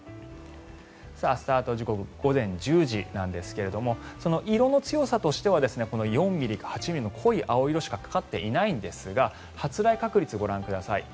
スタート時刻は午前１０時なんですが色の強さとしては４ｍｍから８ｍｍの濃い青色しかかかっていないんですが発雷確率をご覧ください。